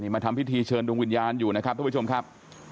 มาทำพิธีเชิญดวงวิญญาณอยู่นะครับทุกผู้ชมครับ